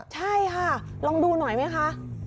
ใช่ค่ะลองดูหน่อยไหมคะ